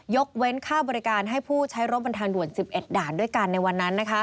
เว้นค่าบริการให้ผู้ใช้รถบนทางด่วน๑๑ด่านด้วยกันในวันนั้น